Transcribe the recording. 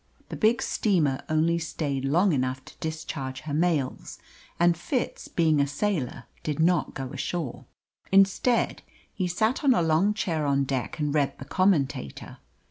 The big steamer only stayed long enough to discharge her mails, and Fitz being a sailor did not go ashore. Instead, he sat on a long chair on deck and read the Commentator.